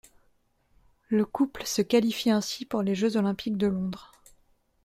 Le couple se qualifie ainsi pour les Jeux olympiques de Londres.